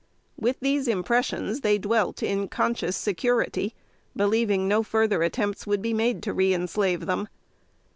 With these impressions, they dwelt in conscious security, believing no further attempts would be made to reënslave them.